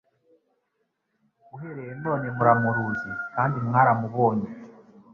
uhereye none muramuruzi kandi mwaramubonye."